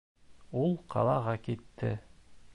Ул ҡалаға китте